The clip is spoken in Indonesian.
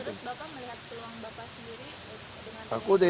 terus bapak melihat peluang bapak sendiri